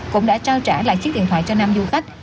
cũng đã trao trả lại chiếc điện thoại cho năm du khách